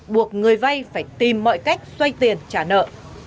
buộc người vay phải tìm mọi cách xoay tiền trả nợ